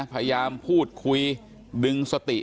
พยายามพูดคุยดึงสติ